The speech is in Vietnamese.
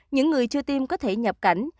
những người chưa tiêm có thể nhập cảnh